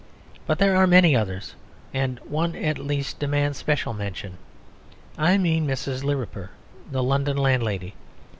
But there are many others, and one at least demands special mention; I mean Mrs. Lirriper, the London landlady.